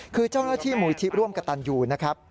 คือเจ้านักที่มุยทีร่วมกับตันยูนะครับ